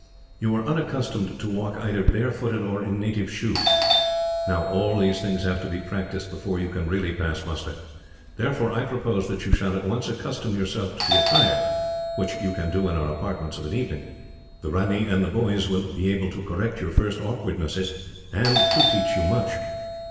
You are unaccustomed to walk either barefooted or in native shoes. Now, all these things have to be practised before you can really pass muster. Therefore I propose that you shall at once accustom yourself to the attire, which you can do in our apartments of an evening. The ranee and the boys will be able to correct your first awkwardness, and to teach you much.